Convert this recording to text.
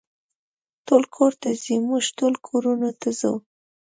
ټول کور ته ځي، موږ ټول کورونو ته ځو.